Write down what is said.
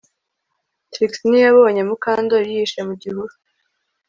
Trix ntiyabonye Mukandoli yihishe mu gihuru